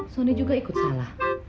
sony juga ikut salah